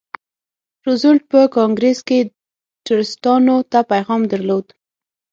روزولټ په کانګریس کې ټرستانو ته پیغام درلود.